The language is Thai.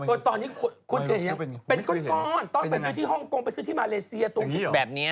ตอนนี้คุณเคยังเป็นก้อนต้องไปซื้อที่ฮ่องกงไปซื้อที่มาเลเซียตรงที่แบบเนี้ย